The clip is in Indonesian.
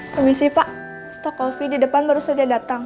permisi pak stok coffee di depan baru saja datang